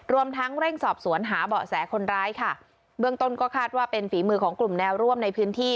รวมทั้งเร่งสอบสวนหาเบาะแสคนร้ายค่ะเบื้องต้นก็คาดว่าเป็นฝีมือของกลุ่มแนวร่วมในพื้นที่